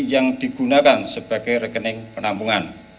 yang digunakan sebagai rekening penampungan